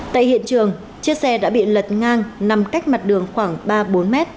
tại hiện trường chiếc xe đã bị lật ngang nằm cách mặt đường khoảng ba bốn mét